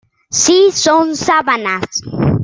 Sí, son sábanas.